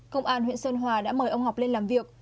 công an huyện sơn hòa đã mời ông ngọc lên làm việc